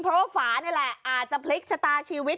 เพราะว่าฝานี่แหละอาจจะพลิกชะตาชีวิต